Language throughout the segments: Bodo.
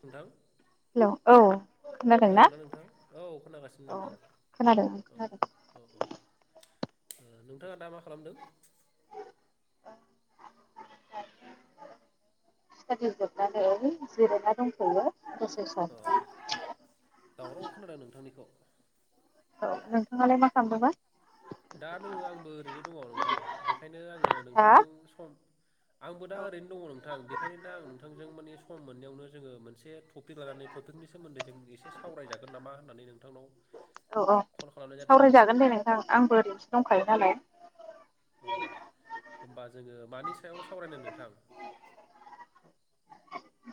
नोंथां हेलौ औ खोनादों ना नोंथां औ खोनागासिनो नोंथां खोनादों औ खोनादों। औ औ औ। नोंथाङा दा मा खालामदों? स्तादि जोबनानै जिरायना दंथ'यो। दसे सम। अह दावराव खोनादों नोंथांनिखौ। औ नोंथाङालाय मा खालामदोंमोन? दा दङो आंबो ओरैनो दङ' नोंथां बेखायनो आङो हा? नोंथांजों सम आंबो दा ओरैनो दङ' नोंथां बेखायनो दा आं नोंथांजों मानानि सम मोननायावनो जोङो मोनसे [unintelligible] टपिक लानानै टपिकनि सोमोन्दै जों एसे सावरायजागोन नामा होननानै नोंथांनाव औ औ कल खालामनाय जादों आरो। सावरायजागोन दे नोंथां आंबो ओरैनोसो दंखायो नालाय औ होमबा जोङो मानि सायाव सावरायनो नोंथां?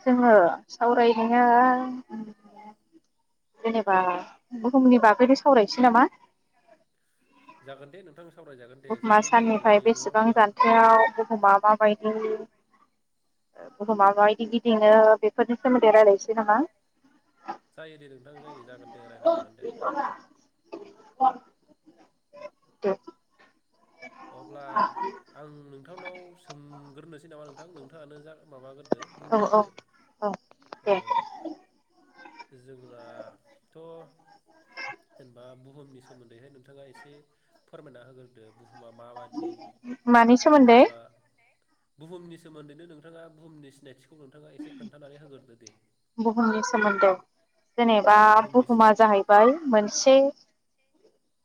जोङो सावरायनाया जेनेबा बुहुमनि बागैनो सावरायनोसै नामा? जागोन दे नोंथां। सावरायजागोन दे बुहुमा जोंथ' बुहुमावनो साननिफ्राय थायो नङा बेसेबां होमबा जान्थायाव बुहुमा माबायदि? बुहुमा माबायदि गिदिङो बेफोरनि सोमोन्दै रायलायनोसै नामा? जायो दे नोंथां जायो जागोन दे रायलाय जागोन दे। दे। अब्ला आं नोंथांनाव सों ग्रोनोसै नामा नोंथां नोंथाङानो जा माबाग्रोदो औ औ बुंग्रोदो। दे जोंनाथ' जेनेबा बुहुमनि सोमोन्दैहाय नोंथाङा एसे फोरमायना होग्रोदो। बुहुमा माबादि मानि सोमोन्दै बुहुमा बुहुमनि सोमोन्दैनो नोंथाङा बुहुमनि सिनायथिखौ खौ नोंथाङा एसे खोन्थानानै होग्रोदो दे। बुहुमनि सोमोन्दै जेनेबा बुहुमनि बुहुमा सिनायथि जाहैबाय मोनसे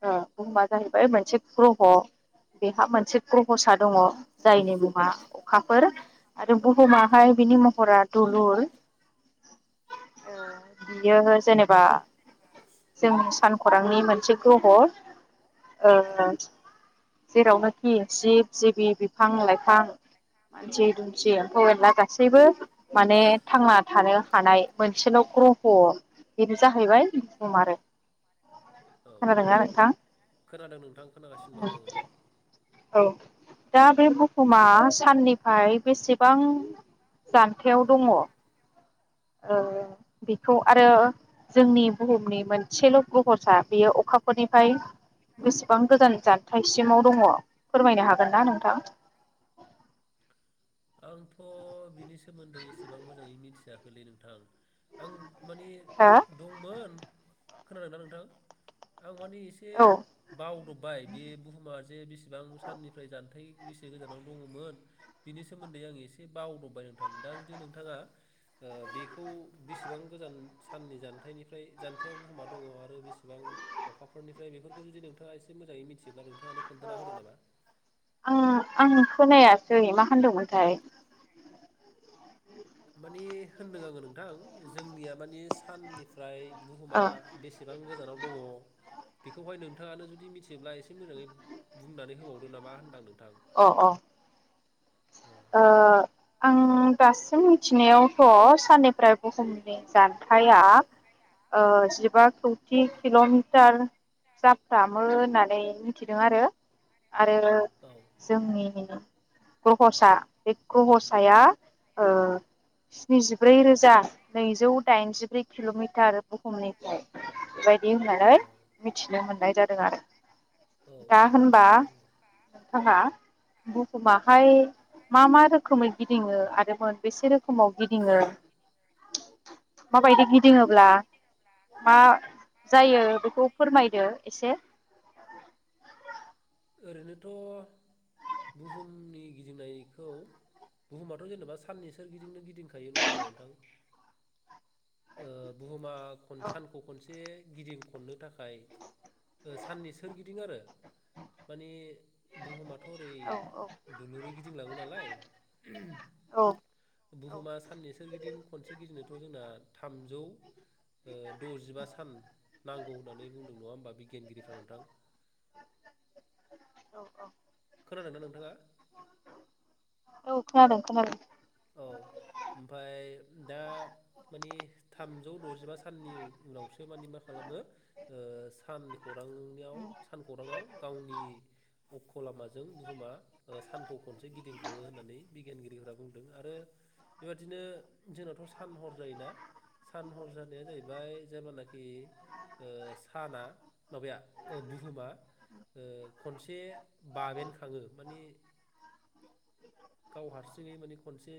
ओ बुहुमा जाहैबाय मोनसे ग्रह बेहा मोनसे ग्रह'सा दङ जायनि मुङा अखाफोर आरो बुहुमाहाय बिनि महरा दुलुर बियो जेनेबा जोंनि सानखरांनि मोनसे ग्रह ओ औ जेरावनोखि जिब जिबि बिफां लाइफां मानसि दुमसि एम्फौ एनला गासैबो माने थांना थानो हानाय मोनसेल' ग्रह' बेनो जाहैबाय बुहुम आरो औ खोनादोंना नोंथां खोनादों नोंथां खोनागासिनो दङ आङो दा बे बुहुमा साननिफ्राय बेसेबां जान्थायाव दङ ओ बेखौ आरो जोंनि बुहुमनि मोनसेल' ग्रह'सा बेयो अखाफोरनिफ्राय बेसेबां गोजान जानथायाइसिमाव दङ फोरमायनो हागोन ना नोंथां आंथ' बिनि सोमोन्दै एसेबां मोजाङै मिथिया गोनलै नोंथां आं माने हो दंमोन खोनादोंना नोंथां आं माने एसे औ बावदबबाय बे बुहुमा बे बेसेबां साननिफ्राय जान्थाइ बेसे गोजानाव दंमोन बिनि सो बिनि सोमोन्दै आं एसे बावदबबाय नोंथां दा जुदि नोंथांङा ओ बेखौ बेसेबां गोजान साननि जानथायनिफ्राय जान्थायाव बहुमा दंङ आरो बेसेबां अखाफोरनिफ्राय बेफोरखौ जुदि नोंथांङा एसे मोजांङै मिथियोब्ला नोंथांङानो खोन्थाना होदो नामा आं आं खोनायासै मा होनदोंमोनथाय मानि होनदों आंङो नोंथां जोंनिया मानि साननिफ्राय अ बुहुमा बेसेबां गोजानाव दंङ बेखौहाय नोंथांङानो जुदि मिथियोब्ला एसे मोजांङै बुंनानै होबावदो नामा होनदां नों अ अ औ ओ आं दासिम मिथिनायावथ' साननिफ्राय बुहुमनि जान्थाया ओ जिबा खौथि किल'मिटार जाफ्रामो होननानै मिथिदों आरो आरो औ जोंनि ग्रहथ सा बे ग्रहसाया ओ स्निजि ब्रै रोजा नैजौ दाइनजिब्रै किल'मिटार बुहुमनिफ्राय बेबायदि होननानै मिथिनो मोननाय जादों आरो औ दा औ औ होनबा नोंथां औ नोंथांङा बुहुमाहाय मा मा रोखोमै गिदिंङो आरो मोनबेसे रोखोमाव गिदिंङो माबायदि गिदिंङोब्ला मा जायो बेखौ फोरमायदो एसे ओरैनोथ' बुहुमनि गिदिंनायखौ बुहुमाथ' जेनेबा साननि सोरगिदिंनो गिदिंखायो नंङा होमबा नोंथां ओ बुहुमा खन सानखौ खनसे गिदिं खननो थाखाय ओ साननि सोरगिदिं आरो मानि बुहुमाथ' थ' ओरै औ औ दुलुरै गिदिंलांङो नालाय औ औ बुहुमा साननि सोरगि दिं खनसे गिदिंनोथ' जोंना थामजौ ओ द'जिबा सान नांगौ होननानै बुंदों नंङा होमबा बिगियानगिरिफ्रा नोंथां। औ औ। खोनादों ना नोंथाङा? औ खोनादों खोनादों। औ ओमफाय दा मानि थामजौ द'जिबा साननि उनावसो मानि मा खालामो ओ सानखौरांनियाव सानखौरांङाव गावनि अख' लामाजों बुहुमा ओ सानखौ खनसे गिदिंखांङो होननानै बिगियानगिरिफोरा बुं आरो बेबादिनो जोंनाथ' सान हर जायोना। सान हर जानाया जाहैबाय जेब्लानाखि ओ साना माबाया ओ बुहुमा ओ खनसे बाबेनखांङो मानि गाव हारसिंङै माने खनसे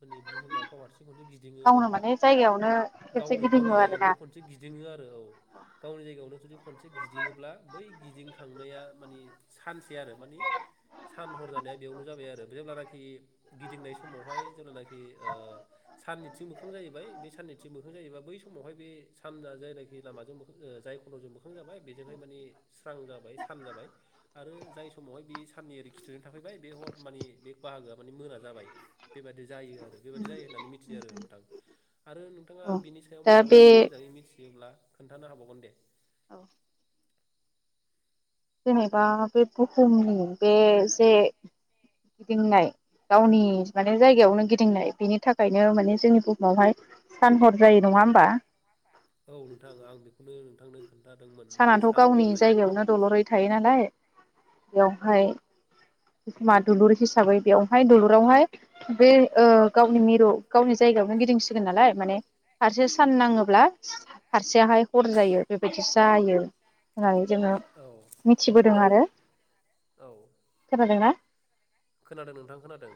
माने बुहुमा गाव हारसिं खनसे गिदिंङो गावनो जेनेबा माने जायगायावनो खेबसे गावनो गिदिङो गावनि आरोना जायगायावनो खनसे गिदिंङो आरो औ। गावनि जायगायावनो जुदि खनसे गिदिंङोब्ला बै गिदिंखांनाया मानि सानसे आरो मानि सान हर जानाया बेयावनो जाबाय आरो। जेब्लानाखि गिदिंनाय समावहाय जेब्लानाखि ओ साननिथिं मोखां जाहैबाय बे साननिथिं मोखां जायोबा बै समावहाय बे सानआ जायनाखि लामाजों मोखां ओ जाय खल'जों मोखां जाबाय बेजोंहाय मानि स्रां जाबाय सान जाबाय आरो जाय समावहाय बे साननि ओरै खिथुैजों थाफैबाय बे हर मानि बे बाहागोआ माने मोना जाबाय बेबादि। जायो आरो बेबायदि जायो होननानै मिथियो आरो ओं। थां आरो नोंथाङा औ बिनि सायाव दा माबाफोर बे जुदि मोजाङै मिथियोब्ला खोन्थानो हाबावगोन दे। औ। जेनेबा बे बुहुमनि बे जे गिदिंनाय गावनि माने जायगायावनो गिदिंनाय बेनि थाखायनो माने जोंनि बुहुमावहाय सान हर जायो। नङा होमबा औ नोंथां आं बेखौनो थांनो खोन सानाथ' गावनि जायगायावनो दलरै थायो नालाय बेवहाय बुहुमा दुलुर हिसाबै बेवहाय दुलुरावहाय बे ओ गावनि मिरु गावनि जायगायावनो गिदिंसिगोन नालाय माने फारसे सान नाङोब्ला फारसेयाहाय हर जायो बेबादिस दायो ओमाय। जोङो औ मिथिबोदों आरो। औ खोनादों ना? खोनादों नोंथां खोनादों।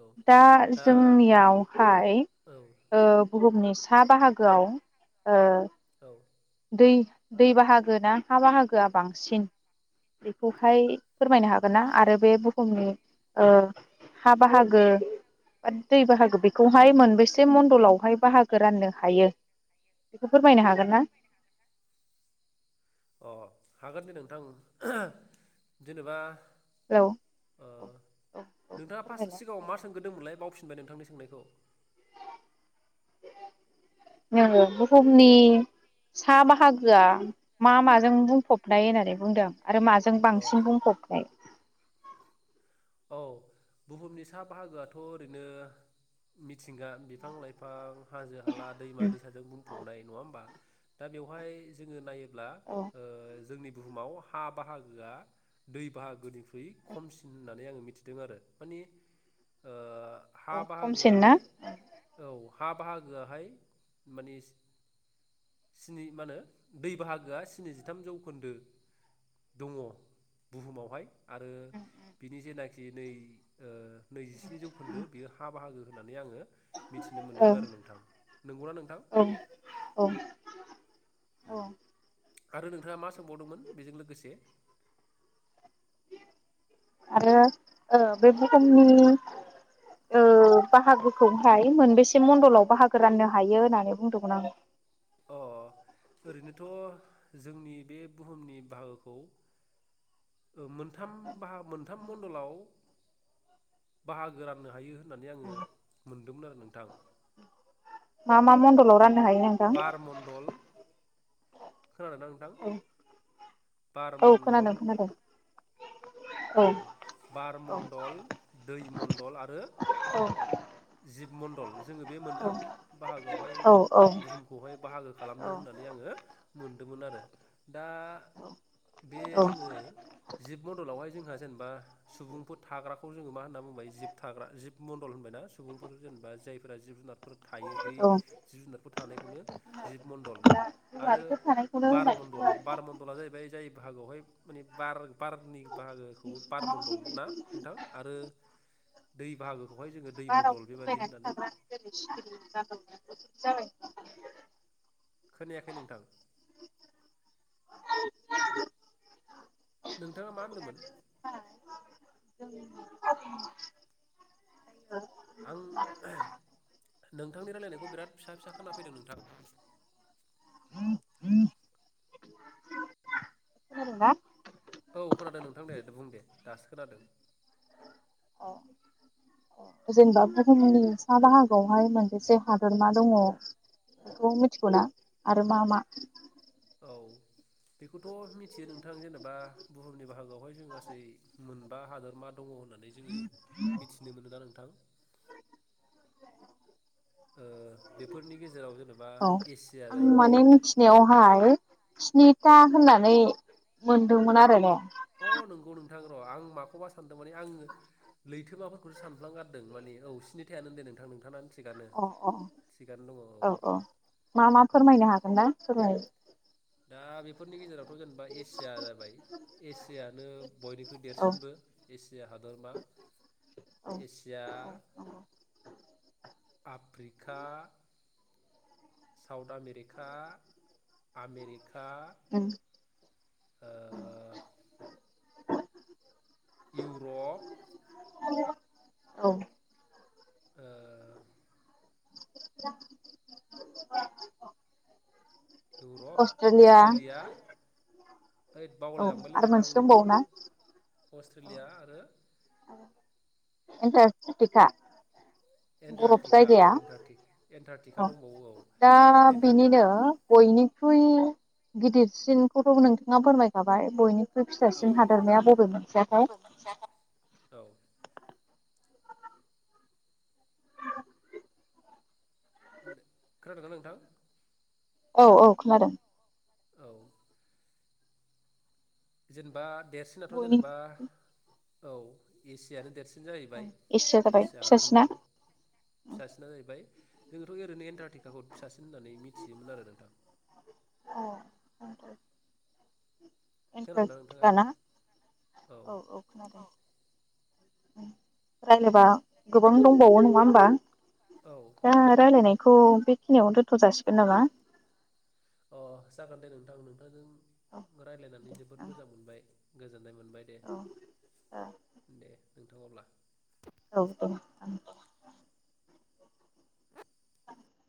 औ दा जोंनियावहाय औ ओ बुहुमनिस सा बाहागोआव ओ औ। दै दै बाहागो ना हा बाहागोआ बांसिन बेखौहाय फोरमायनो हागोन ना आरो बे बुहुमनि ओ हा बाहाग गो ओ दै बाहागो बेखौहाय मोनबेसे मन्दलावहाय बाहागो राननो हायो बेखौ फोरमायनो हागोन ना? अ हागोन दे नोंथां [unintelligible] जेनेबा हेलौ ओ औ औ औ नोंथाङा पाससो फोरमायलाय सिगाङाव मा सोंग्रोदोंमोनलाय बावफिन खुलुमबाय नोंथांनि सोंनायखौ। नोङो बुहुमनि सा बाहागोआ मा माजों बुंफबनाय होननानै बुंदों आरो माजों अ बांसिन बुंफबनाय औ बुहुमनि सा बाहागोआथ' ओरैनो मिथ थिंगा बिफां- लाइफां हाजो हाला दैमा उम दैसाजों बुंफबनाय नङा होमबा दा बेवहाय जोङो नायोब ब्ला औ ओ जोंनि बुहुमाव हा बाहागोआ दै बाहागोनिख्रुइ खमसिन होननानै आङो मिथिदों आरो माने ओ औ हा खमसिन ना बाहागोआहाय औ हा बाहागोआहाय माननिस स्नि मा होनो दै बाहागोआ स्निजिथाम जौखोन्दो दङ' बुहुमावहाय आरो जेनाखि दै ओ नैजिस्नि जौखोन्दो बेयो हा बाहागो होननानै आङो मिथिनो औ मोनदोंमोन आरो नोंथां नंगौना नोंथां औ औ औ [unintelligible] आरो नोंथाङा मा सोंबावदोंमोन बेजों लोगोसे आरो ओ बे बुहुमनि ओ बाहागोखौहाय मोनबेसे मण्डलाव बाहागो राननो हायो होननानै बुंदोंमोन आङो अ ओरैनोथ' जोंनि बे बुहुमनि बाहागोखौ मोनथाम बाहा मोनथाम मनडलाव बाहागो राननो हायो होननानै आङो मोन [unintelligible] नोंथां मा मा मण्डलाव रान बार मण्डल खोनादों ना नोंथां बार औ खोनादों मण्डल खोनादों औ बार औ मण्डल दै मण्डल आरो औ जिब मण्डल जोङो बे मोनथाम बाहागोआवहाय औ बुहुमखौहाय बाहागो खालामदों होननानै आङो मोनदोंमोन आरो दा बे औ जोङो जिब मण्डलावहाय जोंहा जेनेबा सुबुंफोर थाग्राखौ जोंङो मा होनना बुंबाय जिब थाग्रा जिब मण्डल होनबायना सुबुंफोर जेनेबा जायफोरा जिब जुनारफोर थायो बै औ जिब जुनारफोर थानायखौनो जिब मणडल दा आरो जेवारिफोर थानायखौनो बार होननानै मण्डल बुङो आरोना बार मण्डला जाहैबाय जाय बाहागोआवहाय माने बार बारनि बाहागोखौ बारमण्डल ना नोंथां आरो दै बाहागो बाराव फबायनानै थाग्रा [unintelligible] खोनायाखै नोंथां नोंथाङा मा होन्दोंमोन [unintelligible] आं नोंथांनि रायलायनायखौ बिराद फिसा फिसा खोना फैदों नोंथां खोनादों ना औ खोनादों नोंथां दे बुं दे दासो खोनादों अ जेनेबा बुहुमनि सा बाहागआवहाय मोनबसे हादर मा दङ बेखौ मिथिगौ ना आरो मा मा औ बेखौथ' मिथियो नोंथां जेनेबा बुहुमनि बाहागोआवहाय जों गासै मोनबा हादोरमा दङ होननानै जोङो मिथिनो मोनो ना नोंथां ओ बेफोरनि गेजेराव जेनेबा औ एसिया आं माने जाहैबाय मिथिनायावहाय स्निथा होननानै मोनदोंमोन आरो ने अ नंगौ नोंथां र' आं माखौबा सानदों माने आङो लैथोमाफोरखौसो सानफ्लां गारदों माने औ सिनि थायानो दे नोंथां नोंथांना अ औ औ औ मा मा औ फोरमायनो हागोन ना फोरमाय दा बेफोरनि गेजेराव जेनेबा एसिया जाबाय एसियानो बयनिख्रुइ औ देरसिनबो एसिया हादरमा औ एसिया आफ्रिका साउथ आमेरिका आमेरि खा उम ओ इउरप औ ओ [inaudible] इउरप अस्ट्रेलिया ओइद औ बावलायलांबायलै आरो नोंथां मोनसे दंबावो नोंथाङा ना अस्ट्रेलिया आरो इन्टारटेका एन्टारटिका औ एन्ट एन्टारटिका औ दंबावो औ एन्टारटिका ख्रुइ गिदिरसिनखौथ नोंथाङा फोरमायखाबाय बयनिख ख्रुइ औ फिसासिन नोंथां हादरमाया बबे मोनसेयाथाय औ खोनादोंना नोंथां औ औ खोनादों औ जेनेबा देरसिनाथ बयनि जेनेबा औ एसियानो देरसिन जाहैबाय एसिया जाबाय एसिया फिसासिना हादोरमायानो फिसासिना जाहैबाय जोंथ' ओरै एन्टारटिकाखौ फिसा होननानै मिथियोमोन आरो नोंथां खोनादोंना नोंथाङा इन्टारेस्टिका ना औ औ खोनादों। औ। रायोबा गोब गोबां दंबावो नङा होमबा? औ दा रायलायनाय। खौ बेखिनियावनो दोन्थ जासिगोन नामा? अ जागोन दे नोंथां औ नोंथांजों। रायजलायनानै दे जोबोद मोजां मोनबाय। गोजोन। मोनननाय मोनबाय दे दे। [unintelligible] औ औ [unintelligible]